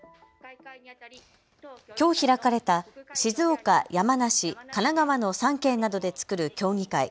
きょう開かれた静岡、山梨、神奈川の３県などで作る協議会。